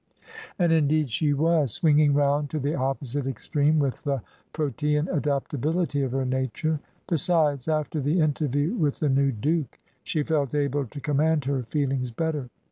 And indeed she was, swinging round to the opposite extreme, with the protean adaptability of her nature. Besides, after the interview with the new Duke she felt able to command her feelings better.